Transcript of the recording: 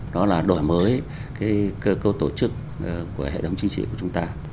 đó là đổi mới cơ cấu tổ chức của hệ thống chính trị của chúng ta